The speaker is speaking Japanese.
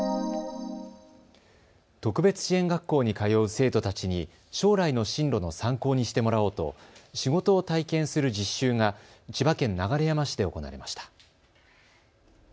特別支援学校に通う生徒たちに将来の進路の参考にしてもらおうと仕事を体験する実習が千葉県流山市で行われました。